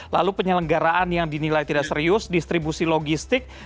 lalu penyelenggaraan yang dinilai tidak serius distribusi logistik